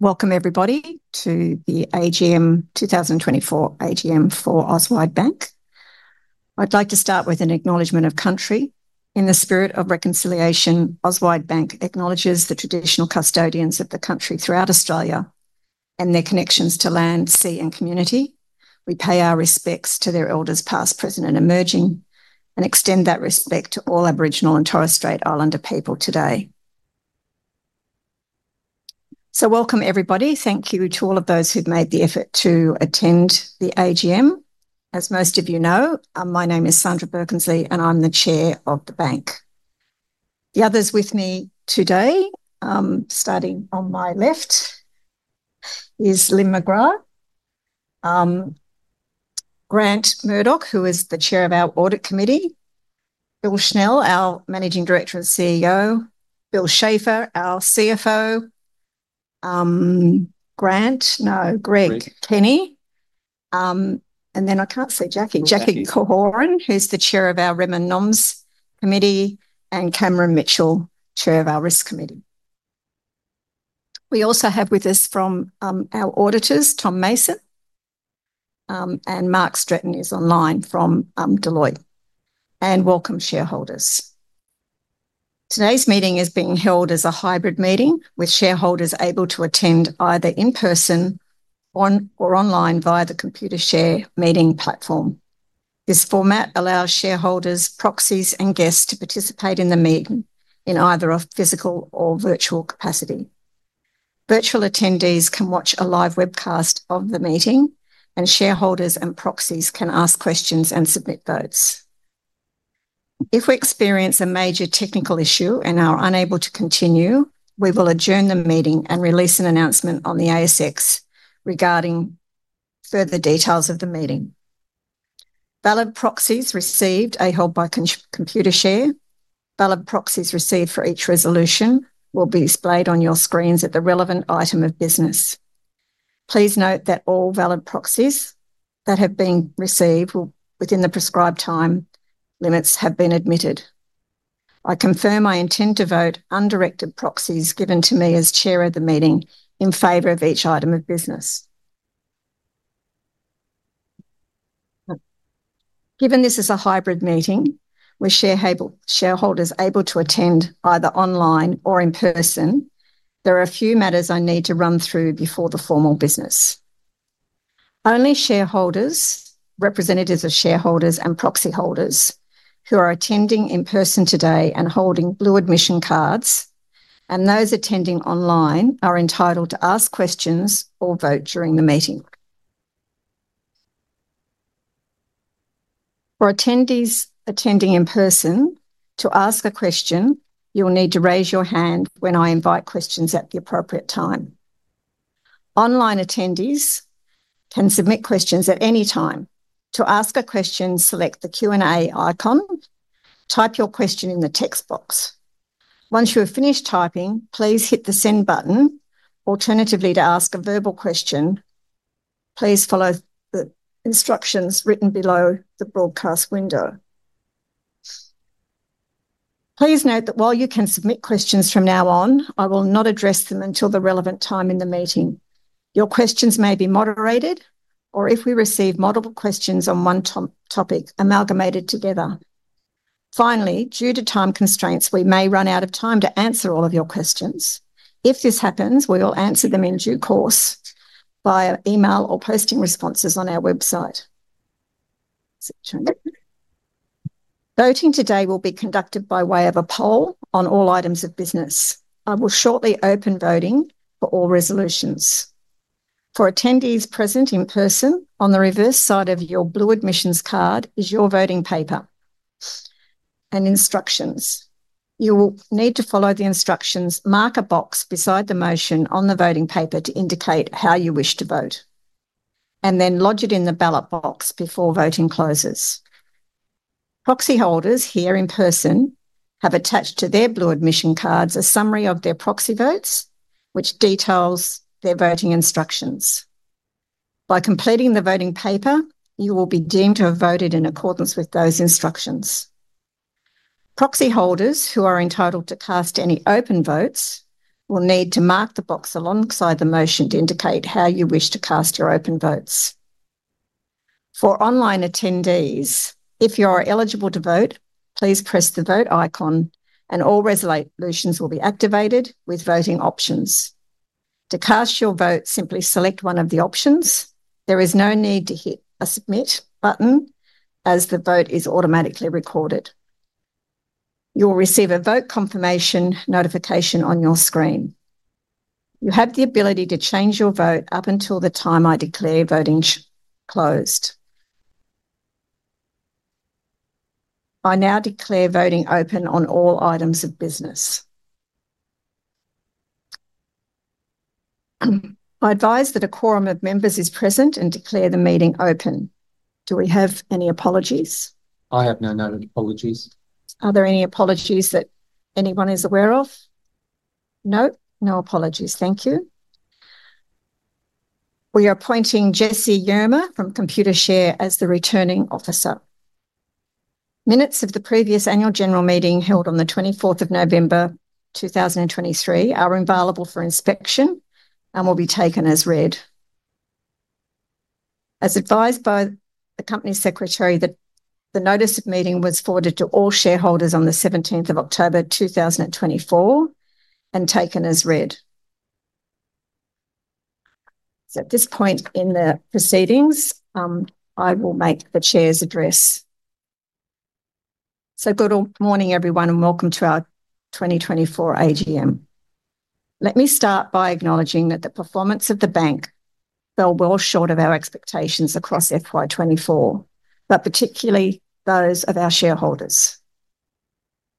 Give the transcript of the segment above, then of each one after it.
Welcome, everybody, to the AGM 2024 AGM for Auswide Bank. I'd like to start with an acknowledgment of country. In the spirit of reconciliation, Auswide Bank acknowledges the traditional custodians of the country throughout Australia and their connections to land, sea, and community. We pay our respects to their elders past, present, and emerging, and extend that respect to all Aboriginal and Torres Strait Islander people today. So, welcome, everybody. Thank you to all of those who've made the effort to attend the AGM. As most of you know, my name is Sandra Birkensleigh, and I'm the Chair of the Bank. The others with me today, starting on my left, are Lynne McGrath, Grant Murdoch, who is the Chair of our Audit Committee, Doug Snell, our Managing Director and CEO, Bill Schafer, our CFO, Grant - no, Greg - Kenny. Then I can't see Jackie, Jackie Korhonen, who's the Chair of our Rem and Noms Committee, and Cameron Mitchell, Chair of our Risk Committee. We also have with us from our auditors, Tom Mason, and Mark Stratton is online from Deloitte. Welcome, shareholders. Today's meeting is being held as a hybrid meeting, with shareholders able to attend either in person or online via the Computershare meeting platform. This format allows shareholders, proxies, and guests to participate in the meeting in either a physical or virtual capacity. Virtual attendees can watch a live webcast of the meeting, and shareholders and proxies can ask questions and submit votes. If we experience a major technical issue and are unable to continue, we will adjourn the meeting and release an announcement on the ASX regarding further details of the meeting. Valid proxies received are held by Computershare. Valid proxies received for each resolution will be displayed on your screens at the relevant item of business. Please note that all valid proxies that have been received within the prescribed time limits have been admitted. I confirm I intend to vote on directed proxies given to me as Chair of the meeting in favor of each item of business. Given this is a hybrid meeting, with shareholders able to attend either online or in person, there are a few matters I need to run through before the formal business. Only shareholders, representatives of shareholders and proxy holders who are attending in person today and holding blue admission cards, and those attending online are entitled to ask questions or vote during the meeting. For attendees attending in person to ask a question, you'll need to raise your hand when I invite questions at the appropriate time. Online attendees can submit questions at any time. To ask a question, select the Q&A icon. Type your question in the text box. Once you have finished typing, please hit the Send button. Alternatively, to ask a verbal question, please follow the instructions written below the broadcast window. Please note that while you can submit questions from now on, I will not address them until the relevant time in the meeting. Your questions may be moderated or, if we receive multiple questions on one topic, amalgamated together. Finally, due to time constraints, we may run out of time to answer all of your questions. If this happens, we will answer them in due course via email or posting responses on our website. Voting today will be conducted by way of a poll on all items of business. I will shortly open voting for all resolutions. For attendees present in person, on the reverse side of your blue admission card is your voting paper and instructions. You will need to follow the instructions, mark a box beside the motion on the voting paper to indicate how you wish to vote, and then lodge it in the ballot box before voting closes. Proxy holders here in person have attached to their blue admission cards a summary of their proxy votes, which details their voting instructions. By completing the voting paper, you will be deemed to have voted in accordance with those instructions. Proxy holders who are entitled to cast any open votes will need to mark the box alongside the motion to indicate how you wish to cast your open votes. For online attendees, if you are eligible to vote, please press the vote icon, and all resolutions will be activated with voting options. To cast your vote, simply select one of the options. There is no need to hit a Submit button, as the vote is automatically recorded. You'll receive a vote confirmation notification on your screen. You have the ability to change your vote up until the time I declare voting closed. I now declare voting open on all items of business. I advise that a quorum of members is present and declare the meeting open. Do we have any apologies? I have no noted apologies. Are there any apologies that anyone is aware of? No? No apologies. Thank you. We are appointing Jessie Yerma from Computershare as the returning officer. Minutes of the previous Annual General Meeting held on the 24th of November, 2023, are available for inspection and will be taken as read. As advised by the Company Secretary, the notice of meeting was forwarded to all shareholders on the 17th of October, 2024, and taken as read. So at this point in the proceedings, I will make the Chair's address. So good morning, everyone, and welcome to our 2024 AGM. Let me start by acknowledging that the performance of the Bank fell well short of our expectations across FY24, but particularly those of our shareholders.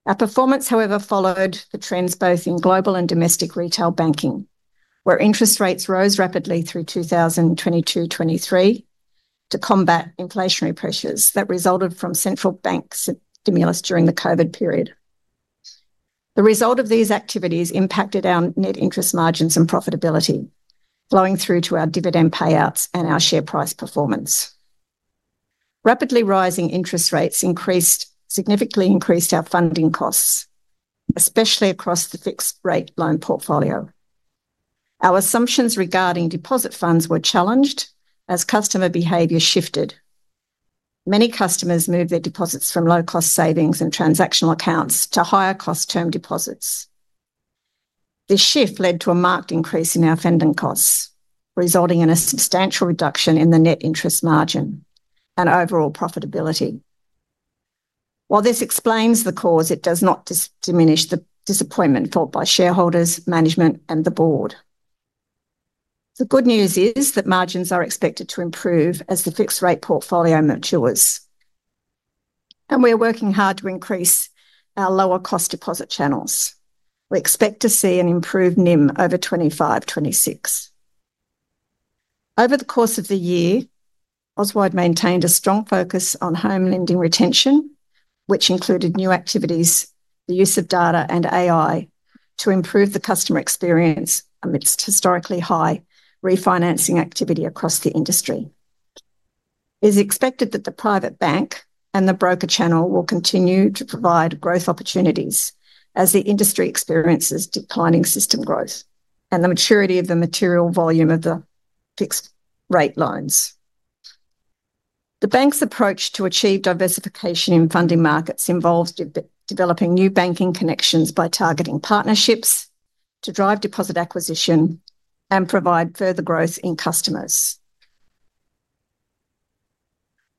Our performance, however, followed the trends both in global and domestic retail banking, where interest rates rose rapidly through 2022-2023 to combat inflationary pressures that resulted from central bank stimulus during the COVID period. The result of these activities impacted our net interest margins and profitability, flowing through to our dividend payouts and our share price performance. Rapidly rising interest rates significantly increased our funding costs, especially across the fixed-rate loan portfolio. Our assumptions regarding deposit funds were challenged as customer behavior shifted. Many customers moved their deposits from low-cost savings and transactional accounts to higher-cost term deposits. This shift led to a marked increase in our funding costs, resulting in a substantial reduction in the net interest margin and overall profitability. While this explains the cause, it does not diminish the disappointment felt by shareholders, management, and the board. The good news is that margins are expected to improve as the fixed-rate portfolio matures, and we are working hard to increase our lower-cost deposit channels. We expect to see an improved NIM over 2026. Over the course of the year, Auswide maintained a strong focus on home lending retention, which included new activities, the use of data, and AI to improve the customer experience amidst historically high refinancing activity across the industry. It is expected that the Private Bank and the broker channel will continue to provide growth opportunities as the industry experiences declining system growth and the maturity of the material volume of the fixed-rate loans. The Bank's approach to achieve diversification in funding markets involves developing new banking connections by targeting partnerships to drive deposit acquisition and provide further growth in customers.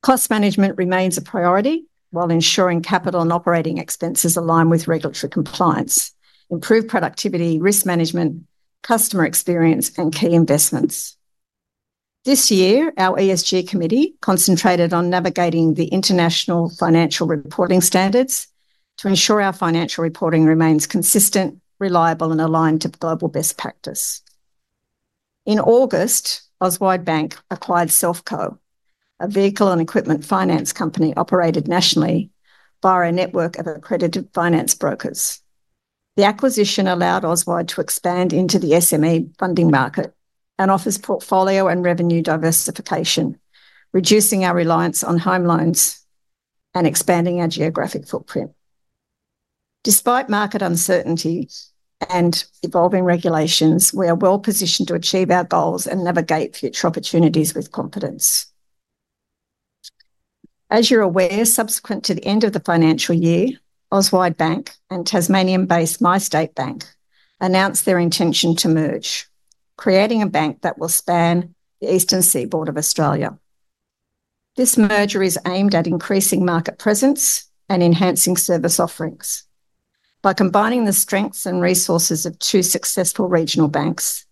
Cost management remains a priority while ensuring capital and operating expenses align with regulatory compliance, improved productivity, risk management, customer experience, and key investments. This year, our ESG Committee concentrated on navigating the International Financial Reporting Standards to ensure our financial reporting remains consistent, reliable, and aligned to global best practice. In August, Auswide Bank acquired Selfco, a vehicle and equipment finance company operated nationally by a network of accredited finance brokers. The acquisition allowed Auswide to expand into the SME funding market and offers portfolio and revenue diversification, reducing our reliance on home loans and expanding our geographic footprint. Despite market uncertainty and evolving regulations, we are well positioned to achieve our goals and navigate future opportunities with confidence. As you're aware, subsequent to the end of the financial year, Auswide Bank and Tasmanian-based MyState Bank announced their intention to merge, creating a bank that will span the Eastern Seaboard of Australia. This merger is aimed at increasing market presence and enhancing service offerings. By combining the strengths and resources of two successful regional banks,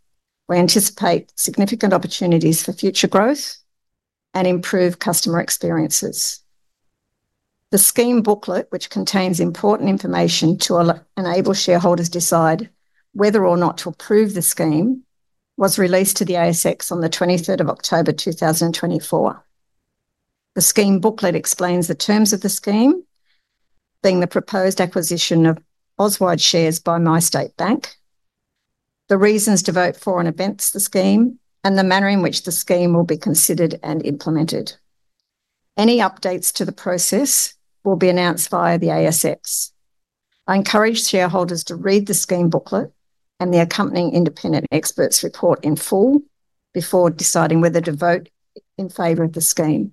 we anticipate significant opportunities for future growth and improved customer experiences. The Scheme Booklet, which contains important information to enable shareholders to decide whether or not to approve the scheme, was released to the ASX on the 23rd of October, 2024. The Scheme Booklet explains the terms of the scheme, being the proposed acquisition of Auswide shares by MyState Bank, the reasons to vote for and against the scheme, and the manner in which the scheme will be considered and implemented. Any updates to the process will be announced via the ASX. I encourage shareholders to read the Scheme Booklet and the accompanying independent experts' report in full before deciding whether to vote in favor of the scheme.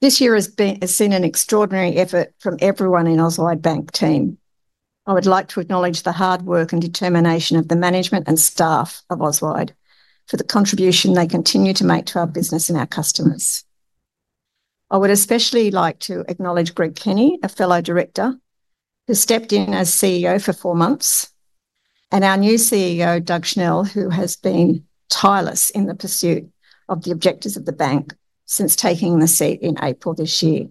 This year has been seen an extraordinary effort from everyone in Auswide Bank's team. I would like to acknowledge the hard work and determination of the management and staff of Auswide for the contribution they continue to make to our business and our customers. I would especially like to acknowledge Greg Kenny, a fellow director, who stepped in as CEO for four months, and our new CEO, Doug Snell, who has been tireless in the pursuit of the objectives of the Bank since taking the seat in April this year.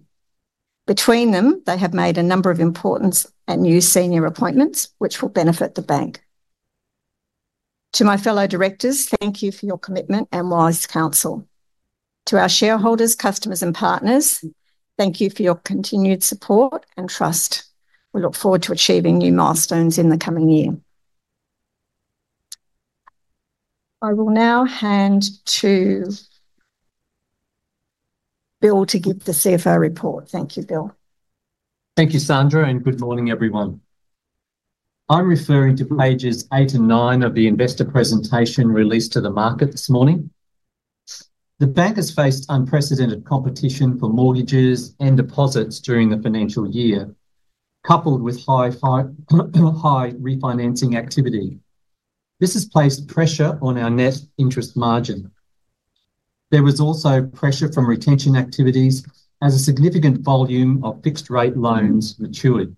Between them, they have made a number of important and new senior appointments, which will benefit the Bank. To my fellow directors, thank you for your commitment and wise counsel. To our shareholders, customers, and partners, thank you for your continued support and trust. We look forward to achieving new milestones in the coming year. I will now hand to Bill to give the CFO report. Thank you, Bill. Thank you, Sandra, and good morning, everyone. I'm referring to pages eight and nine of the investor presentation released to the market this morning. The Bank has faced unprecedented competition for mortgages and deposits during the financial year, coupled with high refinancing activity. This has placed pressure on our net interest margin. There was also pressure from retention activities as a significant volume of fixed-rate loans matured.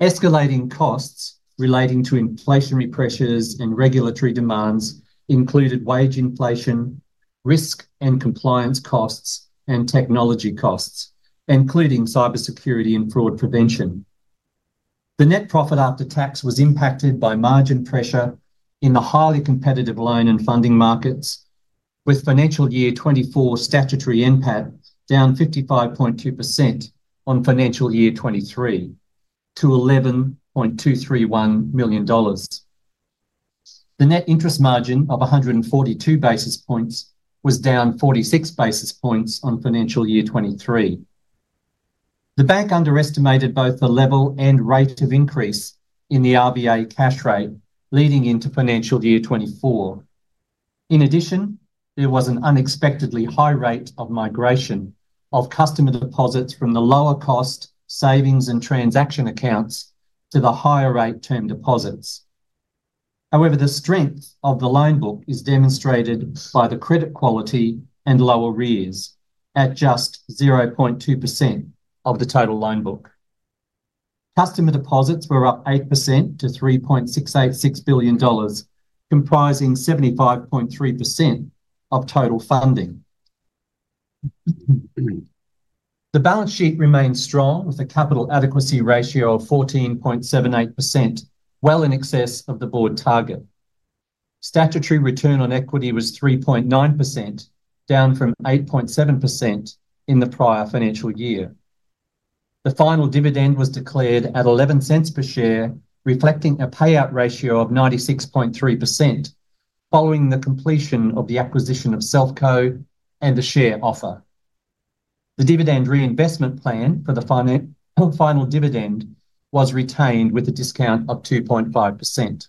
Escalating costs relating to inflationary pressures and regulatory demands included wage inflation, risk and compliance costs, and technology costs, including cybersecurity and fraud prevention. The net profit after tax was impacted by margin pressure in the highly competitive loan and funding markets, with financial year 24 statutory impact down 55.2% on financial year 23 to 11.231 million dollars. The net interest margin of 142 basis points was down 46 basis points on financial year 23. The Bank underestimated both the level and rate of increase in the RBA cash rate leading into financial year 2024. In addition, there was an unexpectedly high rate of migration of customer deposits from the lower-cost savings and transaction accounts to the higher-rate term deposits. However, the strength of the loan book is demonstrated by the credit quality and lower arrears at just 0.2% of the total loan book. Customer deposits were up 8% to 3.686 billion dollars, comprising 75.3% of total funding. The balance sheet remained strong, with a capital adequacy ratio of 14.78%, well in excess of the board target. Statutory return on equity was 3.9%, down from 8.7% in the prior financial year. The final dividend was declared at 0.11 per share, reflecting a payout ratio of 96.3% following the completion of the acquisition of Selfco and the share offer. The dividend reinvestment plan for the final dividend was retained with a discount of 2.5%.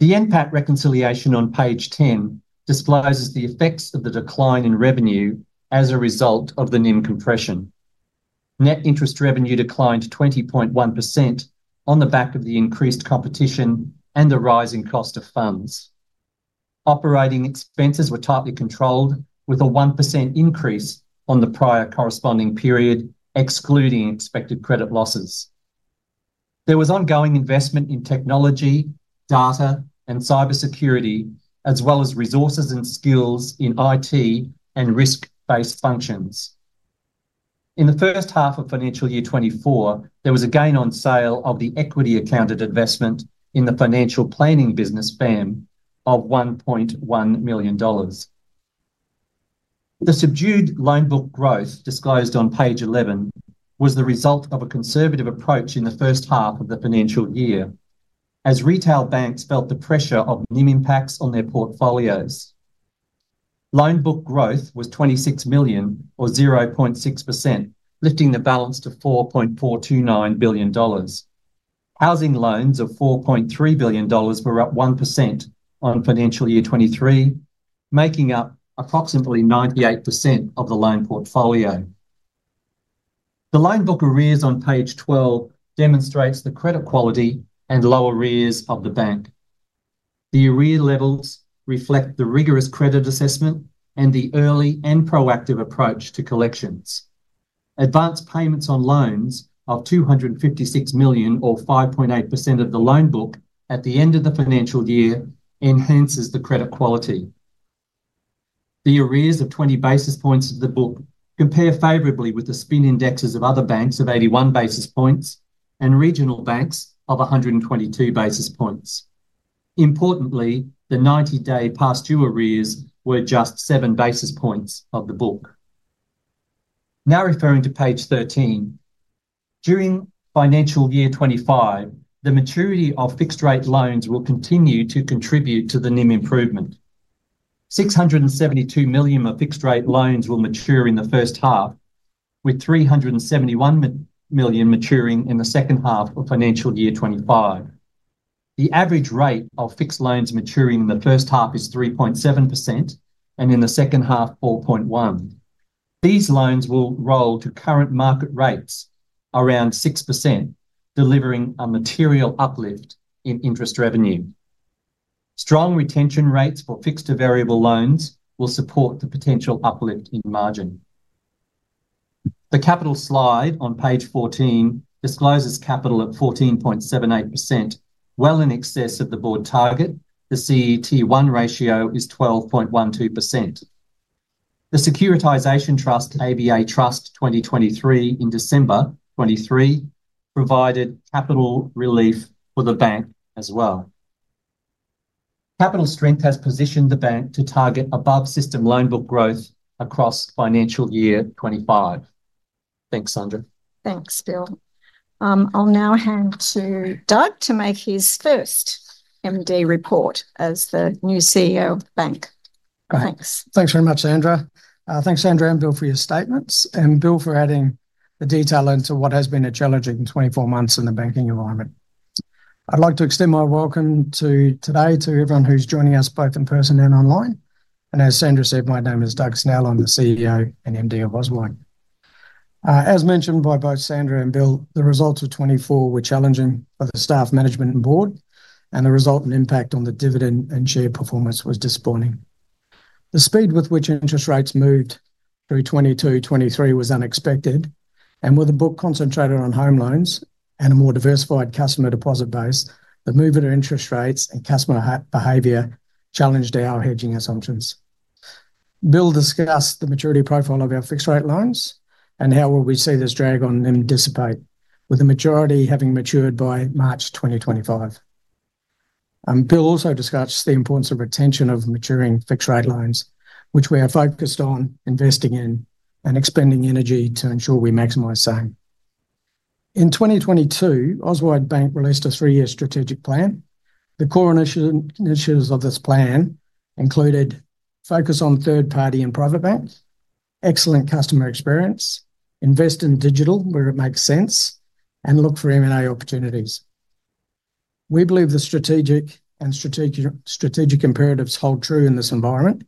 The impact reconciliation on page 10 discloses the effects of the decline in revenue as a result of the NIM compression. Net interest revenue declined 20.1% on the back of the increased competition and the rising cost of funds. Operating expenses were tightly controlled, with a 1% increase on the prior corresponding period, excluding expected credit losses. There was ongoing investment in technology, data, and cybersecurity, as well as resources and skills in IT and risk-based functions. In the first half of financial year 2024, there was a gain on sale of the equity-accounted investment in the financial planning business, FAM, of 1.1 million dollars. The subdued loan book growth disclosed on page 11 was the result of a conservative approach in the first half of the financial year, as retail banks felt the pressure of NIM impacts on their portfolios. Loan book growth was $26 million, or 0.6%, lifting the balance to $4.429 billion. Housing loans of $4.3 billion were up 1% on financial year 2023, making up approximately 98% of the loan portfolio. The loan book arrears on page 12 demonstrates the credit quality and lower arrears of the Bank. The arrears levels reflect the rigorous credit assessment and the early and proactive approach to collections. Advance payments on loans of $256 million, or 5.8% of the loan book, at the end of the financial year enhances the credit quality. The arrears of 20 basis points of the book compare favorably with the industry indexes of other banks of 81 basis points and regional banks of 122 basis points. Importantly, the 90-day past due arrears were just 7 basis points of the book. Now referring to page 13, during financial year 25, the maturity of fixed-rate loans will continue to contribute to the NIM improvement. 672 million of fixed-rate loans will mature in the first half, with 371 million maturing in the second half of financial year 25. The average rate of fixed loans maturing in the first half is 3.7%, and in the second half, 4.1%. These loans will roll to current market rates around 6%, delivering a material uplift in interest revenue. Strong retention rates for fixed to variable loans will support the potential uplift in margin. The capital slide on page 14 discloses capital at 14.78%, well in excess of the board target. The CET1 ratio is 12.12%. The securitization trust, ABA Trust 2023, in December 2023 provided capital relief for the Bank as well. Capital strength has positioned the Bank to target above system loan book growth across financial year 2025. Thanks, Sandra. Thanks, Bill. I'll now hand to Doug to make his first MD report as the new CEO of the Bank. Thanks. Thanks very much, Sandra. Thanks, Sandra and Bill, for your statements and Bill for adding the detail into what has been a challenging 24 months in the banking environment. I'd like to extend my welcome today to everyone who's joining us both in person and online, and as Sandra said, my name is Doug Snell. I'm the CEO and MD of Auswide. As mentioned by both Sandra and Bill, the results of 24 were challenging for the staff, management, and board, and the resultant impact on the dividend and share performance was disappointing. The speed with which interest rates moved through 22-23 was unexpected, and with a book concentrated on home loans and a more diversified customer deposit base, the move of interest rates and customer behavior challenged our hedging assumptions. Bill discussed the maturity profile of our fixed-rate loans and how we will see this drag on them dissipate, with the majority having matured by March 2025. Bill also discussed the importance of retention of maturing fixed-rate loans, which we are focused on investing in and expending energy to ensure we maximize same. In 2022, Auswide Bank released a three-year strategic plan. The core initiatives of this plan included focus on third-party and Private Banks, excellent customer experience, invest in digital where it makes sense, and look for M&A opportunities. We believe the strategic and strategic imperatives hold true in this environment,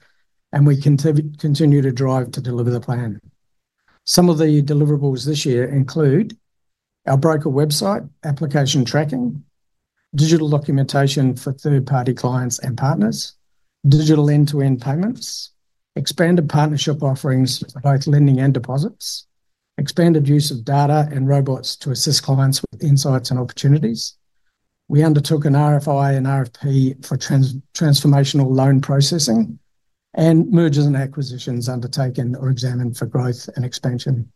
and we continue to drive to deliver the plan. Some of the deliverables this year include our broker website, application tracking, digital documentation for third-party clients and partners, digital end-to-end payments, expanded partnership offerings for both lending and deposits, expanded use of data and robots to assist clients with insights and opportunities. We undertook an RFI and RFP for transformational loan processing and mergers and acquisitions undertaken or examined for growth and expansion.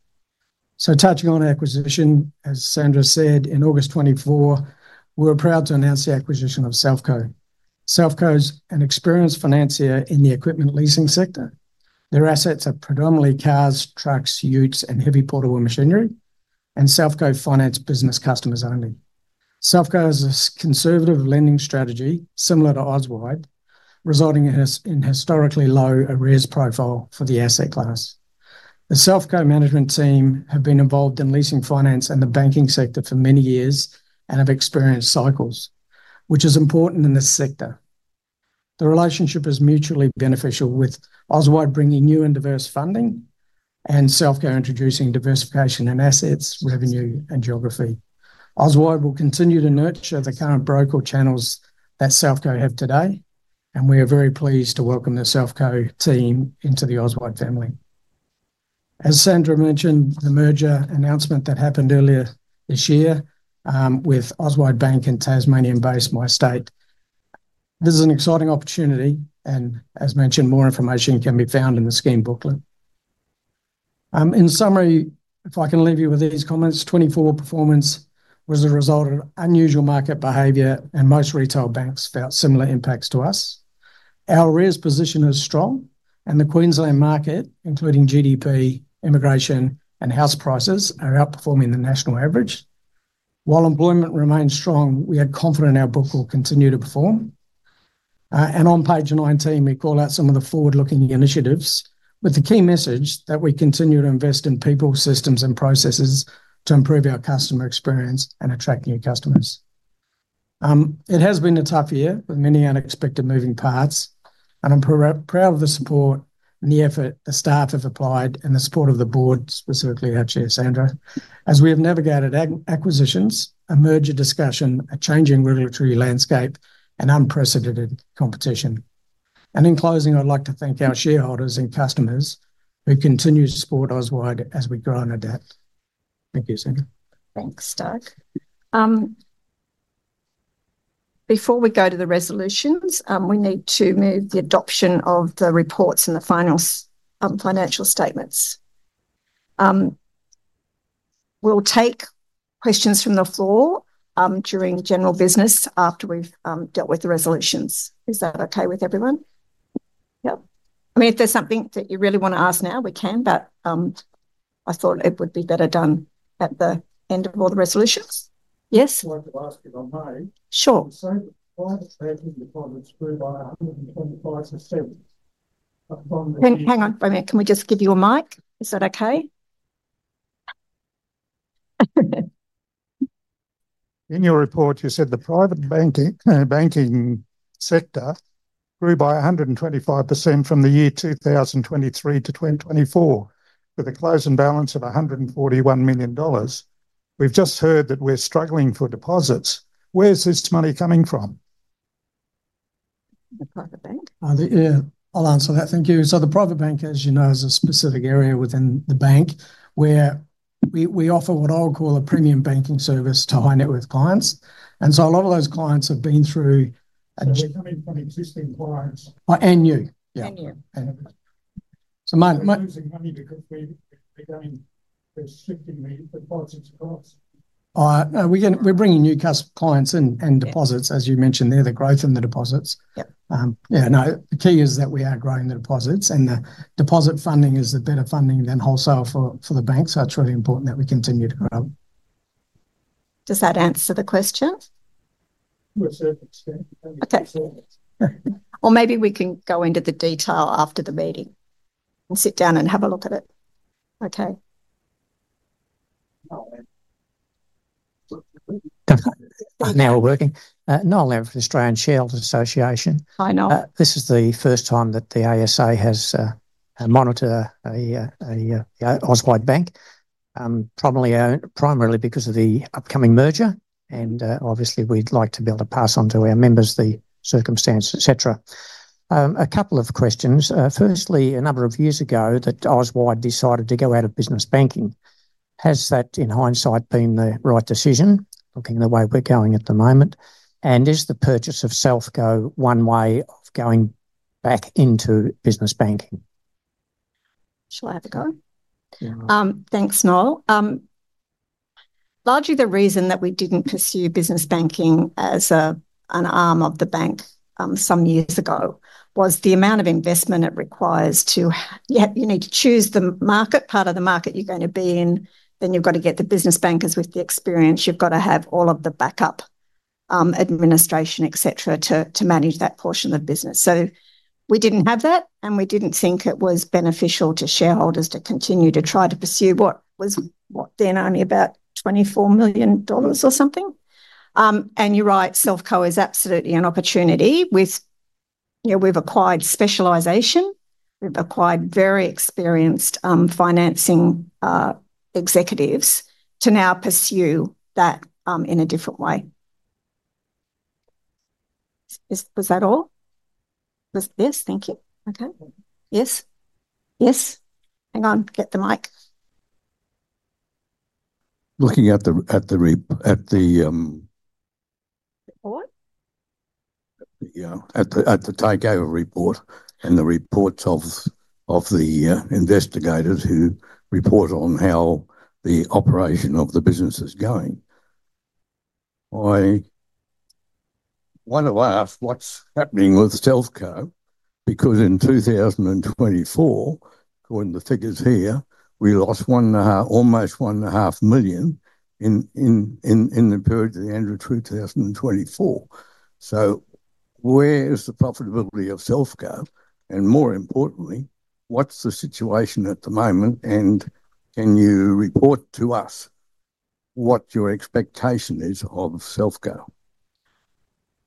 Touching on acquisition, as Sandra said, in August 2024, we're proud to announce the acquisition of Selfco. Selfco is an experienced financier in the equipment leasing sector. Their assets are predominantly cars, trucks, utes, and heavy portable machinery, and Selfco finances business customers only. Selfco has a conservative lending strategy, similar to Auswide, resulting in a historically low arrears profile for the asset class. The Selfco management team have been involved in leasing finance and the banking sector for many years and have experienced cycles, which is important in this sector. The relationship is mutually beneficial, with Auswide bringing new and diverse funding and Selfco introducing diversification in assets, revenue, and geography. Auswide will continue to nurture the current broker channels that Selfco have today, and we are very pleased to welcome the Selfco team into the Auswide family. As Sandra mentioned, the merger announcement that happened earlier this year with Auswide Bank and Tasmanian-based MyState. This is an exciting opportunity, and as mentioned, more information can be found in the Scheme Booklet. In summary, if I can leave you with these comments, 2024 performance was the result of unusual market behavior, and most retail banks felt similar impacts to us. Our arrears position is strong, and the Queensland market, including GDP, immigration, and house prices, are outperforming the national average. While employment remains strong, we are confident our book will continue to perform, and on page 19, we call out some of the forward-looking initiatives with the key message that we continue to invest in people, systems, and processes to improve our customer experience and attract new customers. It has been a tough year with many unexpected moving parts, and I'm proud of the support and the effort the staff have applied and the support of the board, specifically our chair, Sandra, as we have navigated acquisitions, a merger discussion, a changing regulatory landscape, and unprecedented competition, and in closing, I'd like to thank our shareholders and customers who continue to support Auswide as we grow and adapt. Thank you, Sandra. Thanks, Doug. Before we go to the resolutions, we need to move the adoption of the reports and the final financial statements. We'll take questions from the floor during general business after we've dealt with the resolutions. Is that okay with everyone? Yep. I mean, if there's something that you really want to ask now, we can, but I thought it would be better done at the end of all the resolutions. Yes? I'd like to ask if I'm heard. Sure. So the Private Banking department grew by 125% upon the. Hang on. Wait a minute. Can we just give you a mic? Is that okay? In your report, you said the Private Banking sector grew by 125% from the year 2023 to 2024, with a closing balance of 141 million dollars. We've just heard that we're struggling for deposits. Where's this money coming from? The Private Bank? Yeah, I'll answer that. Thank you. So the Private Bank, as you know, is a specific area within the bank where we offer what I'll call a premium banking service to high-net-worth clients. And so a lot of those clients have been through. Are they coming from existing clients? And new. Yeah. And new. And new. Money is losing money because we're shifting the deposits across. We're bringing new clients in and deposits, as you mentioned. They're the growth in the deposits. Yep. Yeah. No, the key is that we are growing the deposits, and the deposit funding is the better funding than wholesale for the bank. So it's really important that we continue to grow. Does that answer the question? To a certain extent. Okay, or maybe we can go into the detail after the meeting and sit down and have a look at it. Okay. Now we're working. Now, the Australian Shareholders' Association. Hi, Niall. This is the first time that the ASA has monitored the Auswide Bank, primarily because of the upcoming merger. And obviously, we'd like to be able to pass on to our members the circumstance, etc. A couple of questions. Firstly, a number of years ago, Auswide decided to go out of business banking. Has that, in hindsight, been the right decision, looking at the way we're going at the moment? And is the purchase of Selfco one way of going back into business banking? Shall I have a go? Thanks, Niall. Largely, the reason that we didn't pursue business banking as an arm of the bank some years ago was the amount of investment it requires. You need to choose the market, part of the market you're going to be in, then you've got to get the business bankers with the experience. You've got to have all of the backup administration, etc., to manage that portion of the business. So we didn't have that, and we didn't think it was beneficial to shareholders to continue to try to pursue what was then only about 24 million dollars or something. And you're right, Selfco is absolutely an opportunity. We've acquired specialization. We've acquired very experienced financing executives to now pursue that in a different way. Was that all? Yes. Thank you. Okay. Yes. Yes. Hang on. Get the mic. Looking at the. Report? At the Takeover Report and the reports of the investigators who report on how the operation of the business is going. I wonder what's happening with Selfco because in 2024, according to the figures here, we lost almost $1.5 million in the period to the end of 2024. So where is the profitability of Selfco? And more importantly, what's the situation at the moment? And can you report to us what your expectation is of Selfco?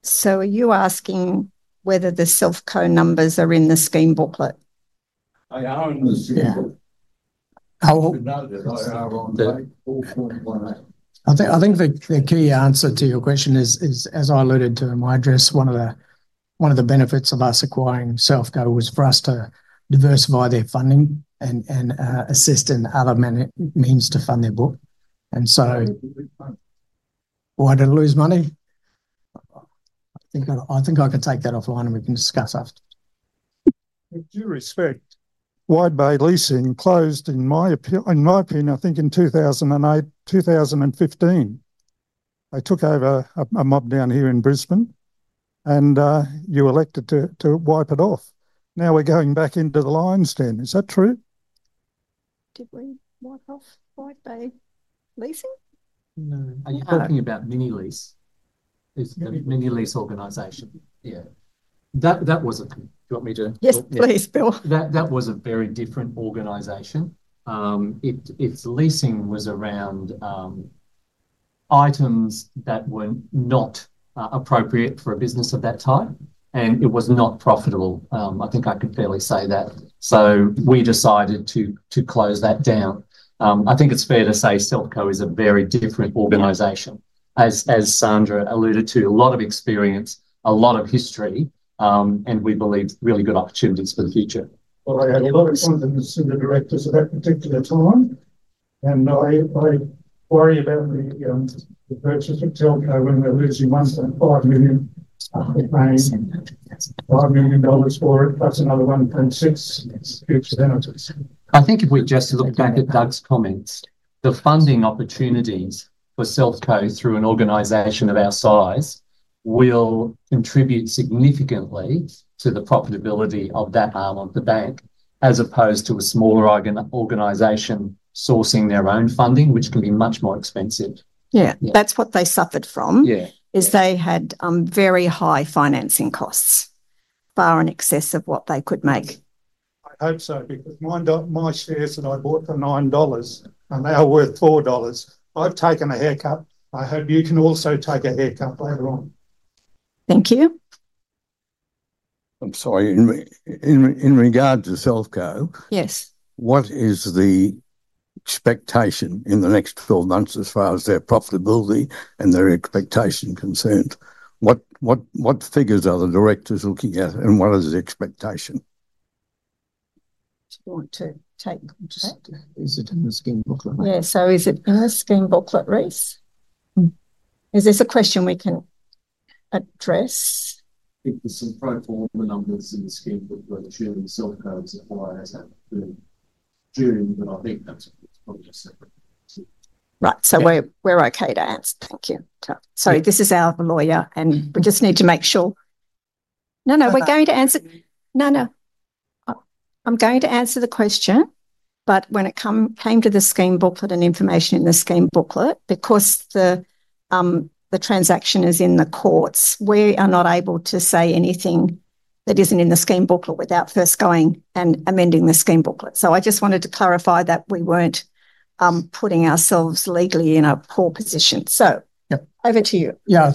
So are you asking whether the Selfco numbers are in the Scheme Booklet? They are in the Scheme Booklet. I hope that they are on there. I think the key answer to your question is, as I alluded to in my address, one of the benefits of us acquiring Selfco was for us to diversify their funding and assist in other means to fund their book, and so why did it lose money? I think I can take that offline and we can discuss after. With due respect, Wide Bay Leasing closed, in my opinion, I think in 2015. They took over a mob down here in Brisbane, and you elected to wipe it off. Now we're going back into the lines then. Is that true? Did we wipe off Wide Bay Leasing? Are you talking about MiniLease? The MiniLease organization? Yeah. That was a—do you want me to? Yes, please, Bill. That was a very different organization. Its leasing was around items that were not appropriate for a business of that type, and it was not profitable. I think I could fairly say that. So we decided to close that down. I think it's fair to say Selfco is a very different organization, as Sandra alluded to. A lot of experience, a lot of history, and we believe really good opportunities for the future. I had a lot of problems with the directors at that particular time, and I worry about the purchase of Selfco when we're losing 1.5 million for it plus another 1.6. I think if we just look back at Doug's comments, the funding opportunities for Selfco through an organization of our size will contribute significantly to the profitability of that arm of the bank, as opposed to a smaller organization sourcing their own funding, which can be much more expensive. Yeah. That's what they suffered from, is they had very high financing costs, far in excess of what they could make. I hope so because my shares that I bought for 9 dollars are now worth 4 dollars. I've taken a haircut. I hope you can also take a haircut later on. Thank you. I'm sorry. In regard to Selfco, what is the expectation in the next 12 months as far as their profitability and their expectation concerned? What figures are the directors looking at, and what is the expectation? Do you want to take a look at that? Is it in the Scheme Booklet? Yeah, so is it in the Scheme Booklet, Rhys? Is this a question we can address? I think there's some pro forma numbers in the Scheme Booklet during Selfco's acquisition we've been doing, but I think that's a separate question. Right. So we're okay to answer. Thank you. Sorry, this is Alvin, lawyer, and we just need to make sure. We're going to answer. I'm going to answer the question, but when it came to the Scheme Booklet and information in the Scheme Booklet, because the transaction is in the courts, we are not able to say anything that isn't in the Scheme Booklet without first going and amending the Scheme Booklet. So I just wanted to clarify that we weren't putting ourselves legally in a poor position. So over to you. Yeah.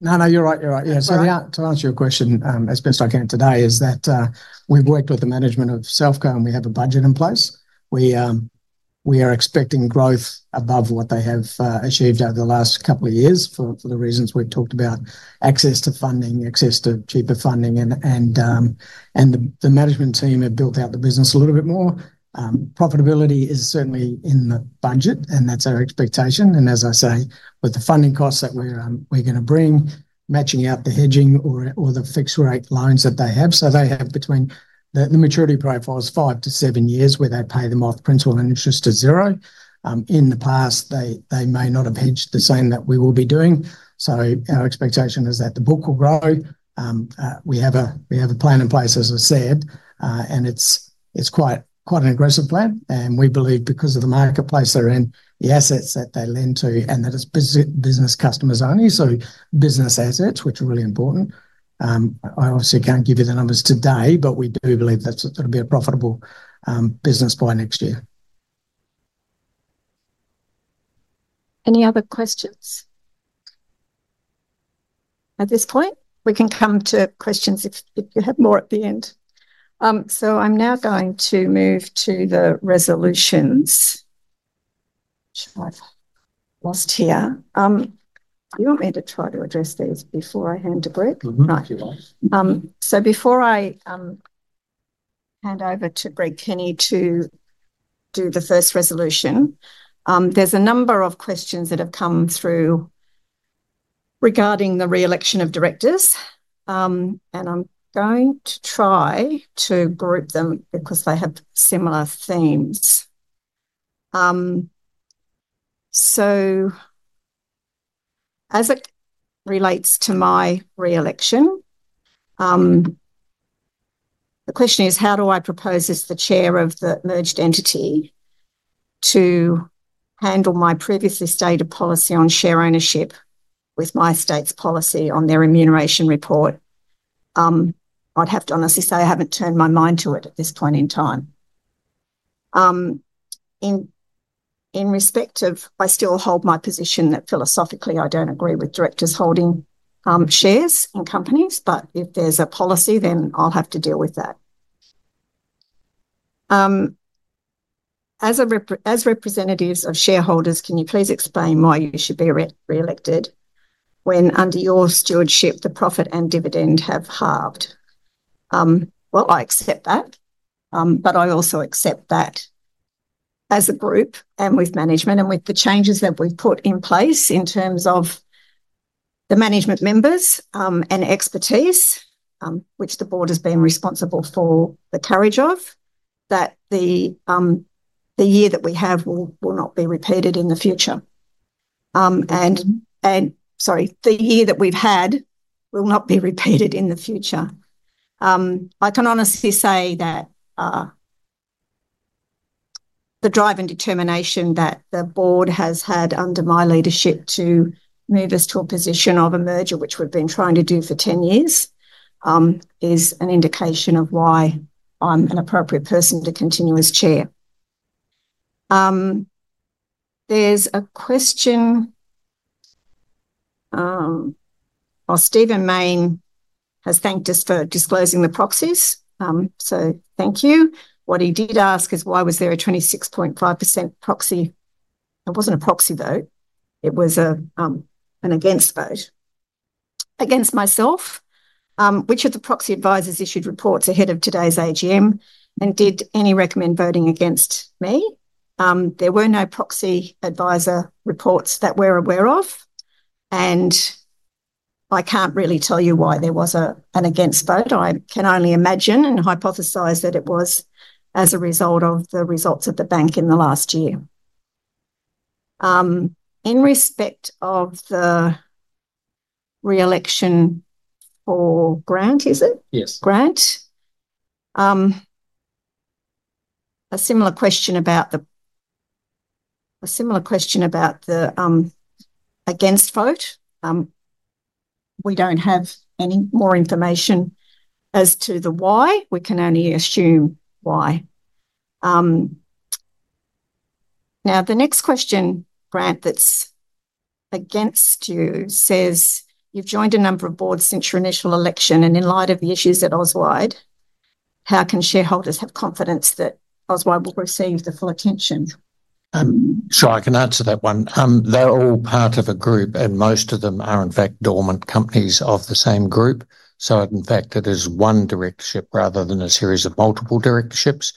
No, no, you're right. You're right. Yeah. So to answer your question, as Bill's talking today, is that we've worked with the management of Selfco, and we have a budget in place. We are expecting growth above what they have achieved over the last couple of years for the reasons we've talked about: access to funding, access to cheaper funding, and the management team have built out the business a little bit more. Profitability is certainly in the budget, and that's our expectation. And as I say, with the funding costs that we're going to bring, matching out the hedging or the fixed-rate loans that they have. So they have between the maturity profiles five to seven years where they pay them off principal and interest to zero. In the past, they may not have hedged the same that we will be doing. So our expectation is that the book will grow. We have a plan in place, as I said, and it's quite an aggressive plan. And we believe, because of the marketplace they're in, the assets that they lend to, and that it's business customers only, so business assets, which are really important. I obviously can't give you the numbers today, but we do believe that it'll be a profitable business by next year. Any other questions at this point? We can come to questions if you have more at the end. So I'm now going to move to the resolutions. I've lost here. Do you want me to try to address these before I hand to Brett? If you like. Before I hand over to Brett, can you do the first resolution? There's a number of questions that have come through regarding the re-election of directors, and I'm going to try to group them because they have similar themes. As it relates to my re-election, the question is, how do I propose as the chair of the merged entity to handle my previously stated policy on share ownership with MyState's policy on their remuneration report? I'd have to honestly say I haven't turned my mind to it at this point in time. In respect of, I still hold my position that philosophically I don't agree with directors holding shares in companies, but if there's a policy, then I'll have to deal with that. As representatives of shareholders, can you please explain why you should be re-elected when under your stewardship the profit and dividend have halved? I accept that, but I also accept that as a group and with management and with the changes that we've put in place in terms of the management members and expertise, which the board has been responsible for the courage of, that the year that we have will not be repeated in the future. And sorry, the year that we've had will not be repeated in the future. I can honestly say that the drive and determination that the board has had under my leadership to move us to a position of a merger, which we've been trying to do for 10 years, is an indication of why I'm an appropriate person to continue as chair. There's a question. Stephen Mayne has thanked us for disclosing the proxies. So thank you. What he did ask is, why was there a 26.5% proxy? It wasn't a proxy vote. It was an against vote. Against myself, which of the proxy advisors issued reports ahead of today's AGM and did any recommend voting against me? There were no proxy advisor reports that we're aware of, and I can't really tell you why there was an against vote. I can only imagine and hypothesize that it was as a result of the results of the bank in the last year. In respect of the re-election for Grant, is it? Yes. Grant. A similar question about the against vote. We don't have any more information as to the why. We can only assume why. Now, the next question, Grant, that's against you says, you've joined a number of boards since your initial election, and in light of the issues at Auswide, how can shareholders have confidence that Auswide will receive the full attention? Sure. I can answer that one. They're all part of a group, and most of them are, in fact, dormant companies of the same group. So in fact, it is one directorship rather than a series of multiple directorships.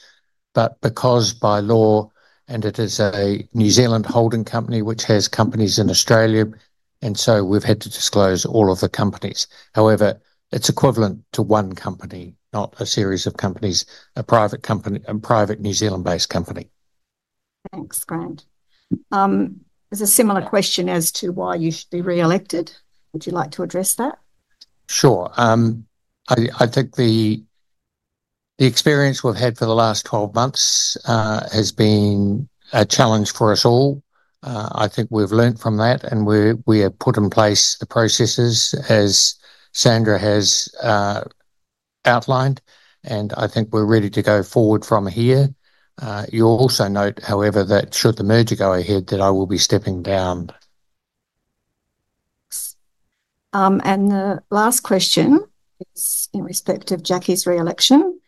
But because by law, and it is a New Zealand holding company which has companies in Australia, and so we've had to disclose all of the companies. However, it's equivalent to one company, not a series of companies, a private company and private New Zealand-based company. Thanks, Grant. There's a similar question as to why you should be re-elected. Would you like to address that? Sure. I think the experience we've had for the last 12 months has been a challenge for us all. I think we've learned from that, and we have put in place the processes as Sandra has outlined, and I think we're ready to go forward from here. You also note, however, that should the merger go ahead, that I will be stepping down. And the last question is in respect of Jackie's re-election.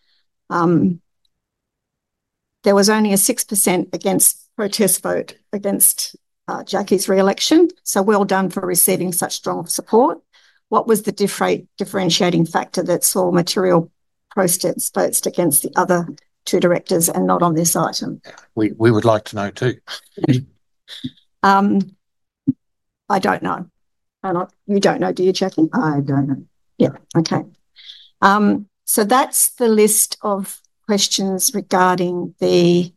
There was only a 6% against protest vote against Jackie's re-election. So well done for receiving such strong support. What was the differentiating factor that saw material protests against the other two directors and not on this item? We would like to know too. I don't know. You don't know, do you, Jackie? I don't know. Yeah. Okay. So that's the list of questions regarding the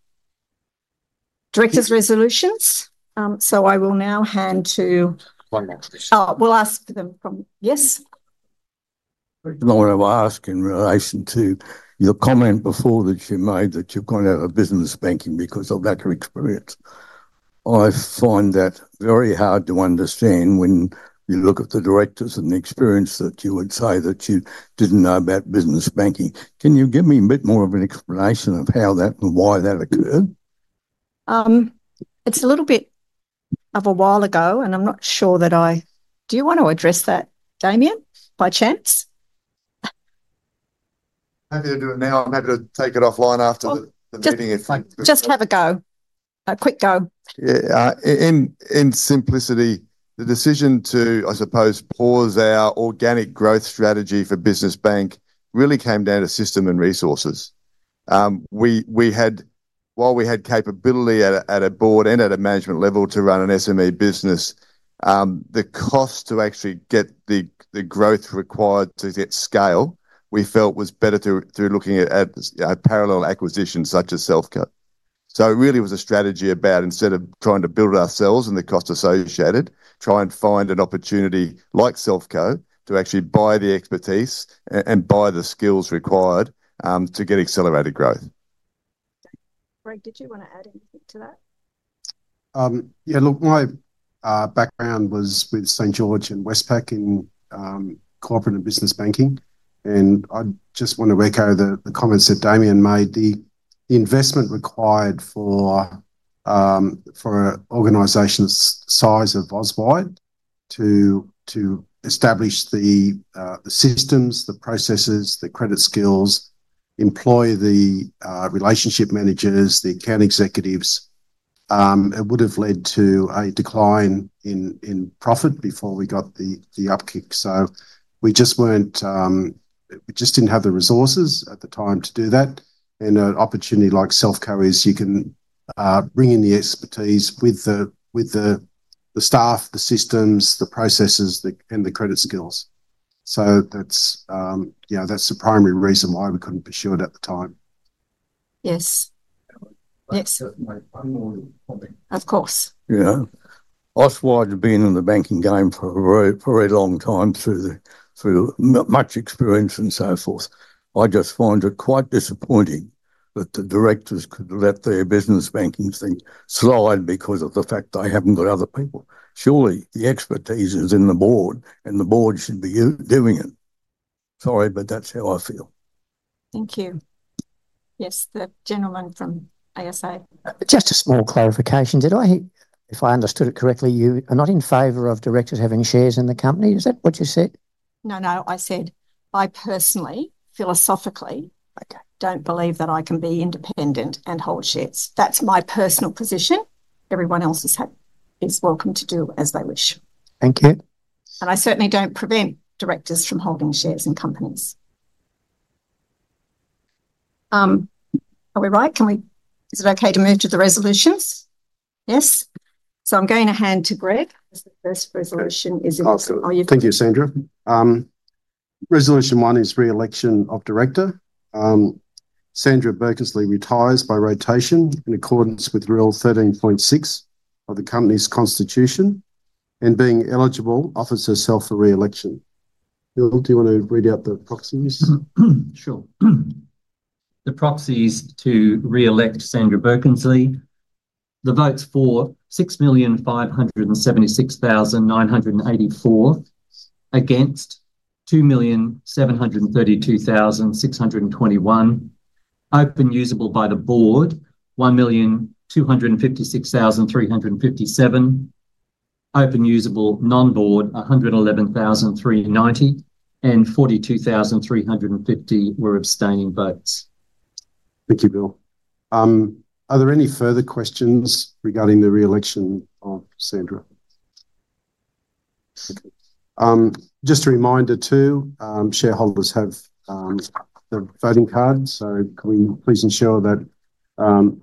directors' resolutions. So I will now hand to. One more question. Oh, we'll ask them from yes. I don't know what I'm asking in relation to your comment before that you made that you've gone out of business banking because of that experience. I find that very hard to understand when you look at the directors and the experience that you would say that you didn't know about business banking. Can you give me a bit more of an explanation of how that and why that occurred? It's a little bit of a while ago, and I'm not sure. Do you want to address that, Damien, by chance? Have you to do it now? I'm happy to take it offline after the meeting. Just have a go. A quick go. Yeah. In simplicity, the decision to, I suppose, pause our organic growth strategy for Business Bank really came down to system and resources. While we had capability at a board and at a management level to run an SME business, the cost to actually get the growth required to scale, we felt was better through looking at parallel acquisitions such as Selfco. So it really was a strategy about, instead of trying to build it ourselves and the cost associated, try and find an opportunity like Selfco to actually buy the expertise and buy the skills required to get accelerated growth. Grant, did you want to add anything to that? Yeah. Look, my background was with St. George and Westpac in corporate and business banking, and I just want to echo the comments that Damien made. The investment required for an organization the size of Auswide to establish the systems, the processes, the credit skills, employ the relationship managers, the account executives, it would have led to a decline in profit before we got the upkick. So we just didn't have the resources at the time to do that. And an opportunity like Selfco is you can bring in the expertise with the staff, the systems, the processes, and the credit skills. So that's the primary reason why we couldn't be sure at the time. Yes. Excellent. I'm more than happy. Of course. Yeah. Auswide has been in the banking game for a very long time through much experience and so forth. I just find it quite disappointing that the directors could let their business banking thing slide because of the fact they haven't got other people. Surely the expertise is in the board, and the board should be doing it. Sorry, but that's how I feel. Thank you. Yes, the gentleman from ASA. Just a small clarification. Did I hear? If I understood it correctly, you are not in favor of directors having shares in the company. Is that what you said? No, no. I said I personally, philosophically, don't believe that I can be independent and hold shares. That's my personal position. Everyone else is welcome to do as they wish. Thank you. I certainly don't prevent directors from holding shares in companies. Are we right? Is it okay to move to the resolutions? Yes, so I'm going to hand to Brett as the first resolution is in. Thank you, Sandra. Resolution one is re-election of director. Sandra Birkensleigh retires by rotation in accordance with Rule 13.6 of the company's constitution and being eligible offers herself a re-election. Bill, do you want to read out the proxies? Sure. The proxies to re-elect Sandra Birkensleigh. The votes for 6,576,984 against 2,732,621, open usable by the board, 1,256,357, open usable non-board, 111,390, and 42,350 were abstaining votes. Thank you, Bill. Are there any further questions regarding the re-election of Sandra? Just a reminder too, shareholders have the voting cards, so please ensure that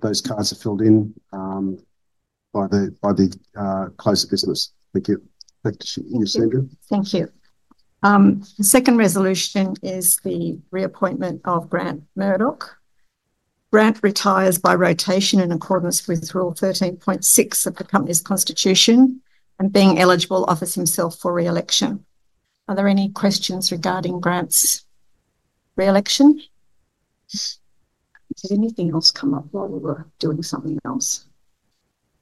those cards are filled in by the close of business. Thank you. Thank you, Sandra. Thank you. The second resolution is the reappointment of Grant Murdoch. Grant retires by rotation in accordance with Rule 13.6 of the company's constitution and being eligible offers himself for re-election. Are there any questions regarding Grant's re-election? Did anything else come up while we were doing something else?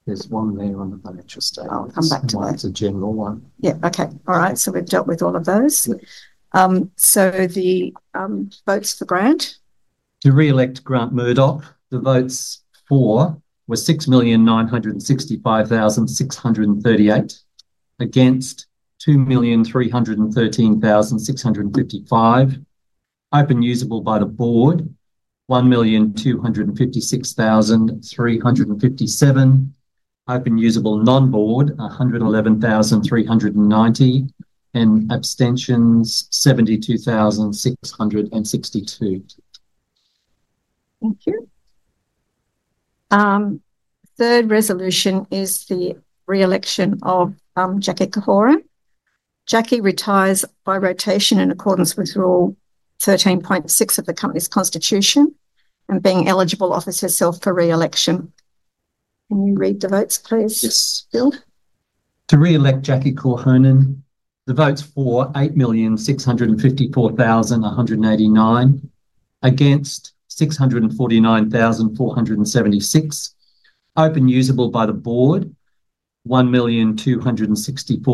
There's one there on the financial statements. I'll come back to that. That's a general one. Yeah. Okay. All right. So we've dealt with all of those. So the votes for Grant? To re-elect Grant Murdoch, the votes for were 6,965,638, against 2,313,655, open usable by the board 1,256,357, open usable non-board 111,390, and abstentions 72,662. Thank you. Third resolution is the re-election of Jackie Korhonen. Jackie retires by rotation in accordance with Rule 13.6 of the company's constitution and being eligible offers herself for re-election. Can you read the votes, please? Yes. Bill? To re-elect Jackie Korhonen, the votes for 8,654,189, against 649,476, proxies usable by the board 1,264,357,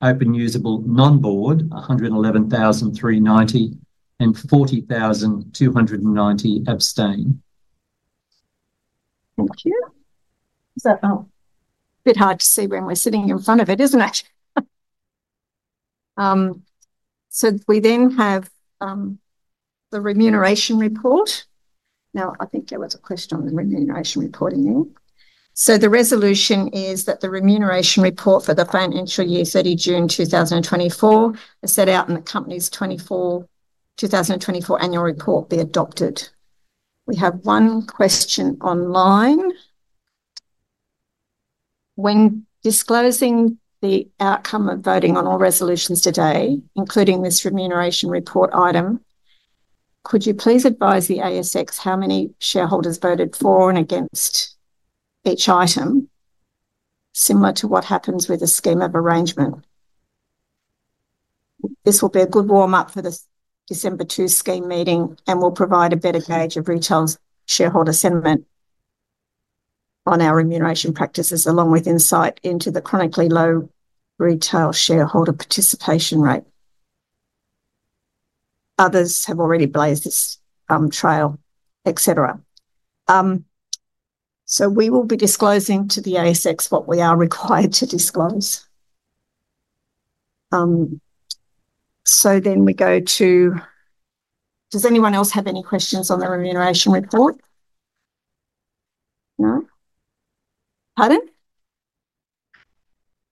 proxies usable non-board 111,390, and 40,290 abstain. Thank you. It's a bit hard to see when we're sitting in front of it, isn't it? So we then have the Remuneration Report. Now, I think there was a question on the Remuneration Report in there. So the resolution is that the Remuneration Report for the financial year 30 June 2024 is set out in the company's 2024 annual report be adopted. We have one question online. When disclosing the outcome of voting on all resolutions today, including this Remuneration Report item, could you please advise the ASX how many shareholders voted for and against each item, similar to what happens with a scheme of arrangement? This will be a good warm-up for the December 2 scheme meeting and will provide a better gauge of retail shareholder sentiment on our remuneration practices along with insight into the chronically low retail shareholder participation rate. Others have already blazed this trail, etc. So we will be disclosing to the ASX what we are required to disclose. So then we go to, does anyone else have any questions on the remuneration report? No? Pardon?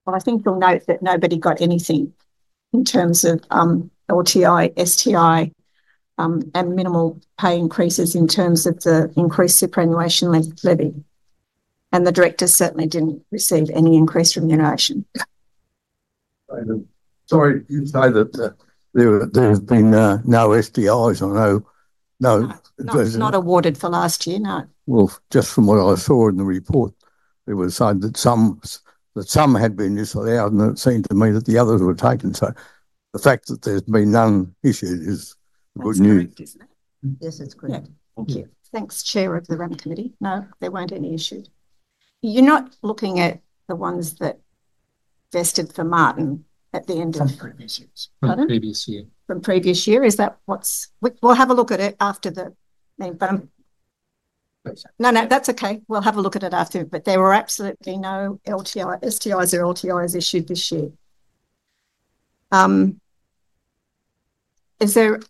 Well, I think you'll note that nobody got anything in terms of LTI, STI, and minimal pay increases in terms of the increased superannuation levy. And the directors certainly didn't receive any increased remuneration. Sorry. You say that there have been no STIs or no? None that's not awarded for last year, no. Just from what I saw in the report, it was signed that some had been disallowed, and it seemed to me that the others were taken. The fact that there's been none issued is good news. Yes, it's correct. Thank you. Thanks, Chair of the Remuneration and Nominations Committee. No, there weren't any issued. You're not looking at the ones that vested for Martin at the end of. From previous years. Pardon? From previous year. From previous year. Is that what? We'll have a look at it after the meeting, but I'm no, no, that's okay. We'll have a look at it after. But there were absolutely no STIs or LTIs issued this year.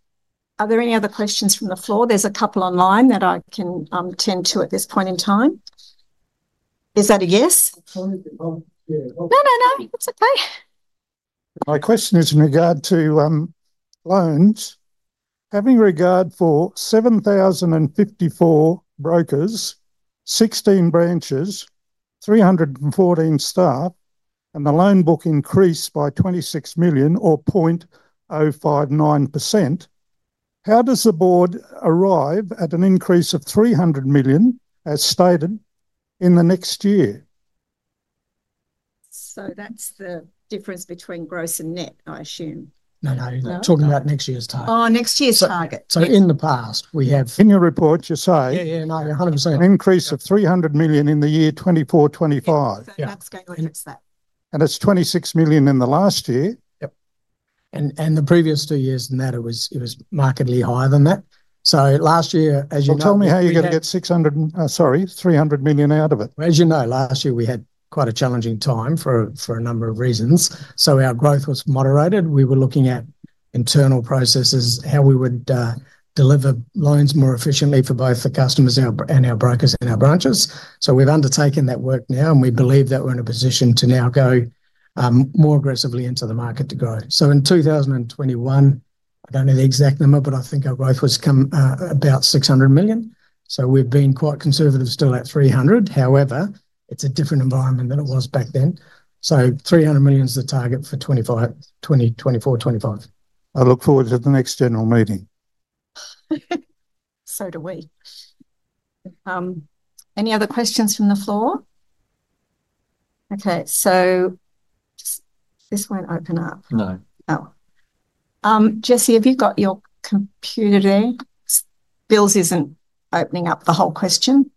Are there any other questions from the floor? There's a couple online that I can tend to at this point in time. Is that a yes? I'm sorry. No, no, no. It's okay. My question is in regard to loans. Having regard for 7,054 brokers, 16 branches, 314 staff, and the loan book increased by 26 million or 0.059%, how does the board arrive at an increase of 300 million, as stated, in the next year? So that's the difference between gross and net, I assume? No, no. We're talking about next year's target. Oh, next year's target. So, in the past, we have. In your report, you say. Yeah, yeah, no, 100%. An increase of 300 million in the year 2024/25. That's going to limit that. It's 26 million in the last year? Yep. And the previous two years in that, it was markedly higher than that. So last year, as you know. Tell me how you're going to get 600 sorry, 300 million out of it? As you know, last year we had quite a challenging time for a number of reasons. So our growth was moderated. We were looking at internal processes, how we would deliver loans more efficiently for both the customers and our brokers in our branches. So we've undertaken that work now, and we believe that we're in a position to now go more aggressively into the market to grow. So in 2021, I don't know the exact number, but I think our growth was about 600 million. So we've been quite conservative still at 300. However, it's a different environment than it was back then. So 300 million is the target for 2024/2025. I look forward to the next general meeting. So do we. Any other questions from the floor? Okay. So this won't open up. No. Oh. Jessie, have you got your computer there? Bill's isn't opening up the whole question.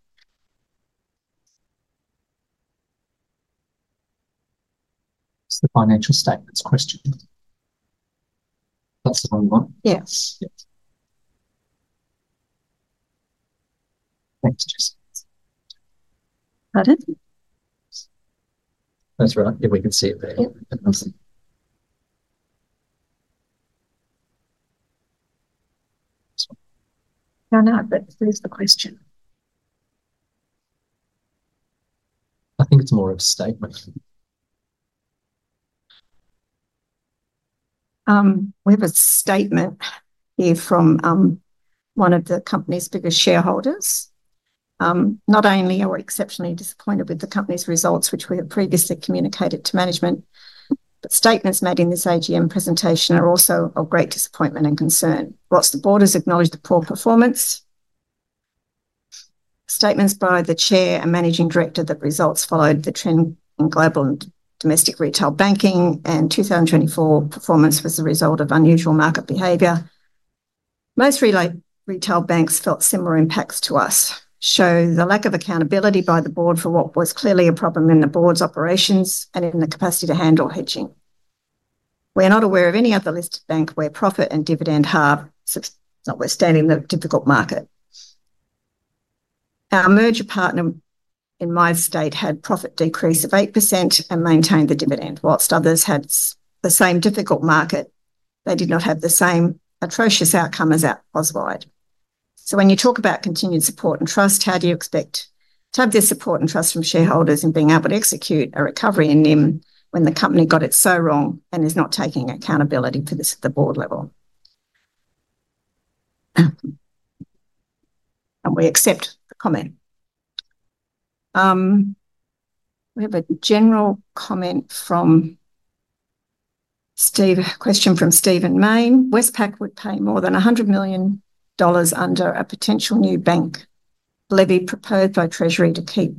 It's the financial statements question. That's the one we want? Yes. Thanks, Jessie. Pardon? That's right. Yeah, we can see it there. No, no, but there's the question. I think it's more of a statement. We have a statement here from one of the company's biggest shareholders. Not only are we exceptionally disappointed with the company's results, which we have previously communicated to management, but statements made in this AGM presentation are also of great disappointment and concern. While the board has acknowledged the poor performance, statements by the Chair and Managing Director that results followed the trend in global and domestic retail banking, and 2024 performance was the result of unusual market behavior. Most retail banks felt similar impacts to us, show the lack of accountability by the board for what was clearly a problem in the board's operations and in the capacity to handle hedging. We are not aware of any other listed bank where profit and dividend have notwithstanding the difficult market. Our merger partner in MyState had profit decrease of 8% and maintained the dividend. While others had the same difficult market, they did not have the same atrocious outcome as Auswide. So when you talk about continued support and trust, how do you expect to have this support and trust from shareholders and being able to execute a recovery in them when the company got it so wrong and is not taking accountability for this at the board level? And we accept the comment. We have a general comment from Steve, a question from Stephen Mayne. Westpac would pay more than 100 million dollars under a potential new bank levy proposed by Treasury to keep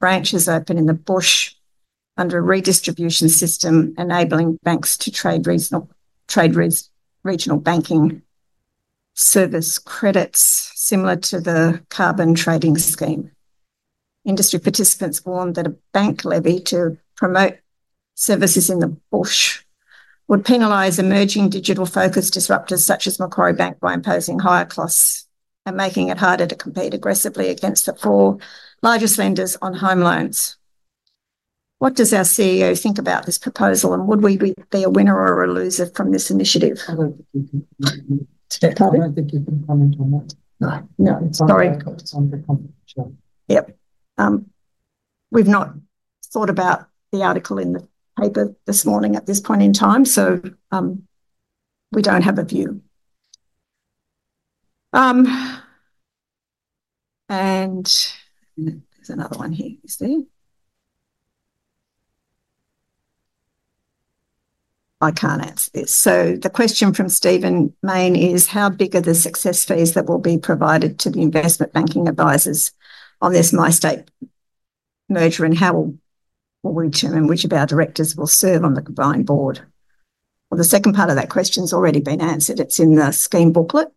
branches open in the bush under a redistribution system enabling banks to trade regional banking service credits similar to the carbon trading scheme. Industry participants warned that a bank levy to promote services in the bush would penalize emerging digital-focused disruptors such as Macquarie Bank by imposing higher costs and making it harder to compete aggressively against the four largest lenders on home loans. What does our CEO think about this proposal, and would we be a winner or a loser from this initiative? Pardon? Pardon? I don't think you can comment on that. No. Sorry. We've not thought about the article in the paper this morning at this point in time, so we don't have a view. There's another one here. You see? I can't answer this. The question from Stephen Mayne is, how big are the success fees that will be provided to the investment banking advisors on this MyState merger, and how will we determine which of our directors will serve on the combined board? The second part of that question has already been answered. It's in the Scheme Booklet,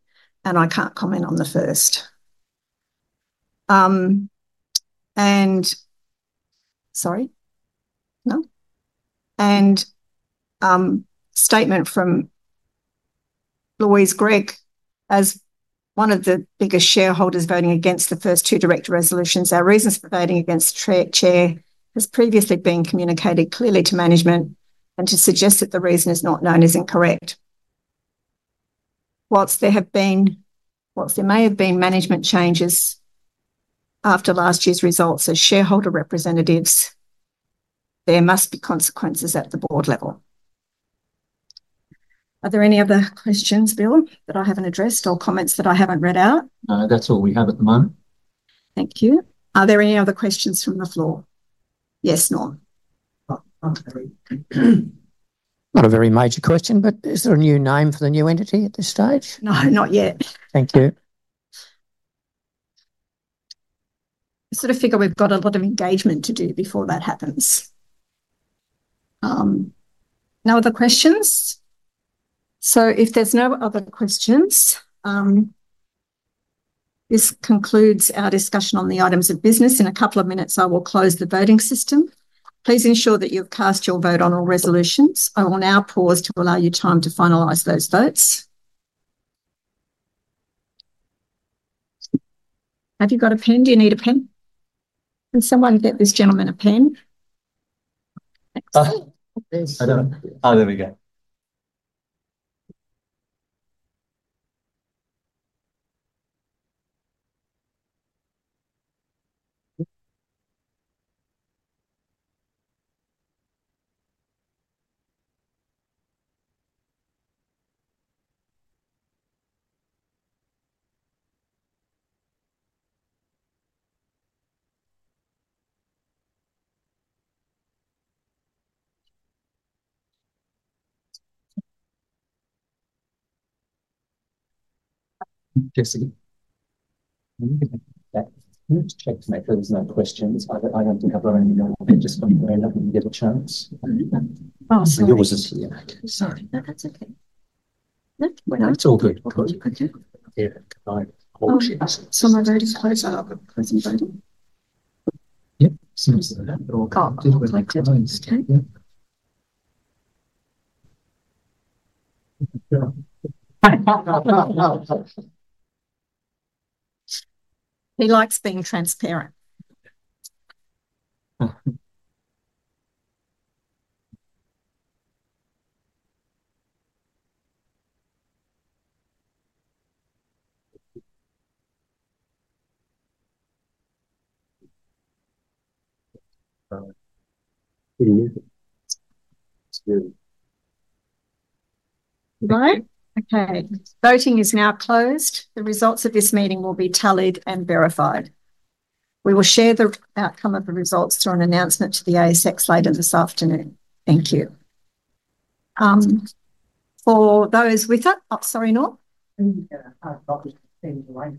and I can't comment on the first. Sorry? No? A statement from Louise Gregg, as one of the biggest shareholders voting against the first two director resolutions, our reasons for voting against Chair has previously been communicated clearly to management and to suggest that the reason is not known is incorrect. Whilst there may have been management changes after last year's results as shareholder representatives, there must be consequences at the board level. Are there any other questions, Bill, that I haven't addressed or comments that I haven't read out? No, that's all we have at the moment. Thank you. Are there any other questions from the floor? Yes, Norm. Not a very major question, but is there a new name for the new entity at this stage? No, not yet. Thank you. I sort of figure we've got a lot of engagement to do before that happens. No other questions? So if there's no other questions, this concludes our discussion on the items of business. In a couple of minutes, I will close the voting system. Please ensure that you've cast your vote on all resolutions. I will now pause to allow you time to finalize those votes. Have you got a pen? Do you need a pen? Can someone get this gentleman a pen? Oh, there we go. Jessie? Just check to make sure there's no questions. I don't think I've got any more. They just come through and I didn't get a chance. Oh, sorry. It was just. Sorry. No, that's okay. No, it's all good. Okay. Yeah. Someone's already closed the other person voting? Yep. Oh, okay. He likes being transparent. All right. Okay. Voting is now closed. The results of this meeting will be tallied and verified. We will share the outcome of the results through an announcement to the ASX later this afternoon. Thank you. For those with a, sorry, Norm? I've got this thing to wait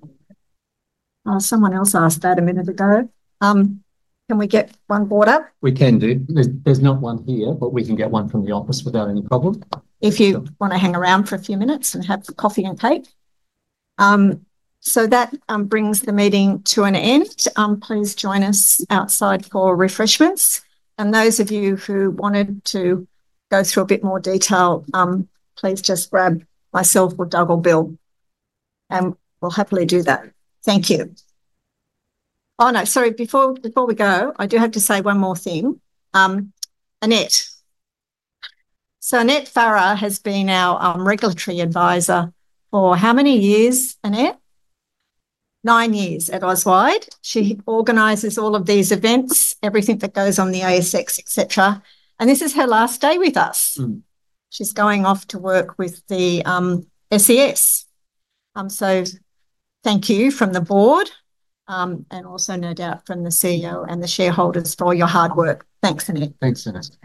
for. Someone else asked that a minute ago. Can we get one board up? We can do. There's not one here, but we can get one from the office without any problem. If you want to hang around for a few minutes and have coffee and cake. So that brings the meeting to an end. Please join us outside for refreshments. And those of you who wanted to go through a bit more detail, please just grab myself or Doug or Bill, and we'll happily do that. Thank you. Oh, no. Sorry. Before we go, I do have to say one more thing. Annette. So Annette Farah has been our regulatory advisor for how many years, Annette? Nine years at Auswide. She organizes all of these events, everything that goes on the ASX, etc. And this is her last day with us. She's going off to work with the SES. So thank you from the board and also no doubt from the CEO and the shareholders for all your hard work. Thanks, Annette. Thanks, Annette.